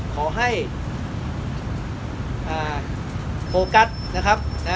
ขอให้โฟกัสนะครับ